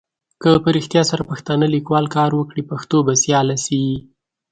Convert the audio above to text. که په رېښتیا سره پښتانه لیکوال کار وکړي پښتو به سیاله سي.